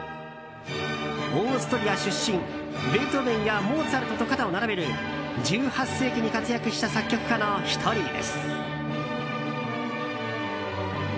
オーストリア出身ベートーヴェンやモーツァルトと肩を並べる１８世紀に活躍した作曲家の１人です。